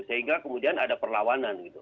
sehingga kemudian ada perlawanan gitu